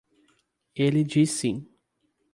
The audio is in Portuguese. Ele diz sim.